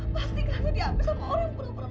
pasti kakak diambil sama orang yang pernah perlahan